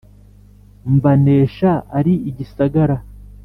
Mbanesha ari igisagara.